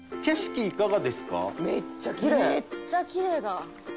めっちゃきれいだ。